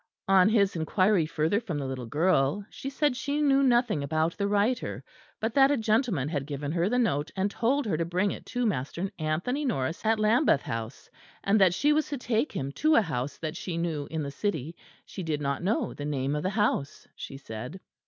On his inquiry further from the little girl, she said she knew nothing about the writer; but that a gentleman had given her the note and told her to bring it to Master Anthony Norris at Lambeth House; and that she was to take him to a house that she knew in the city; she did not know the name of the house, she said.